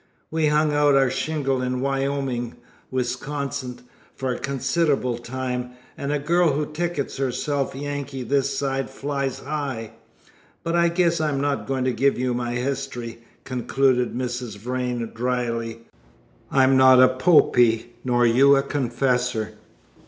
We hung out our shingle in Wyoming, Wis., for a considerable time, and a girl who tickets herself Yankee this side flies high. But I guess I'm not going to give you my history," concluded Mrs. Vrain drily. "I'm not a Popey nor you a confessor."